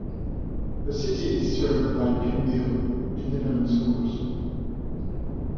The city is served by Pineville Independent Schools.